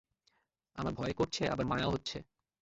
আমার ভয় করছে, আবার মায়াও হচ্ছে।